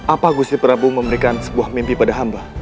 apa gusti prabu memberikan sebuah mimpi pada hamba